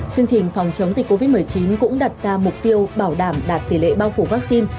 chương trình phòng chống dịch covid một mươi chín cũng đặt ra mục tiêu bảo đảm đạt tỷ lệ bao phủ vaccine